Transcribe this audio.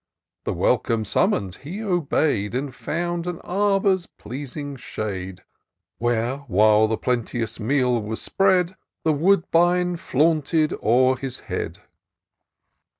The welcome summons he obey'd. And found an arbour's pleasing shade. Where, while the plenteous meal was spread. The woodbine flaunted o'er his head.